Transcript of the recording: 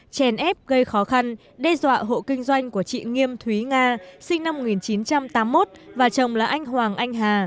chèn ép gây khó khăn đe dọa hộ kinh doanh của chị nghiêm thúy nga sinh năm một nghìn chín trăm tám mươi một và chồng là anh hoàng anh hà